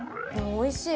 おいしい。